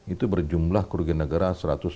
itu berjumlah kurgenegara